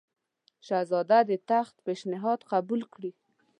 شهزاده د تخت پېشنهاد قبول کړي.